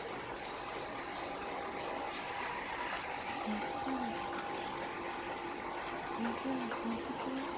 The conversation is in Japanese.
やっぱり先生はサンタクロースでした。